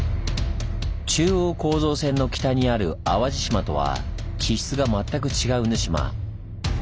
中央構造線の北にある淡路島とは地質が全く違う沼島。